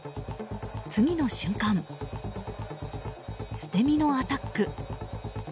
次の瞬間、捨て身のアタック。